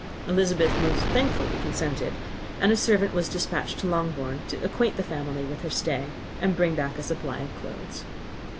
Elizabeth most thankfully consented, and a servant was despatched to Longbourn, to acquaint the family with her stay, and bring back a supply of clothes.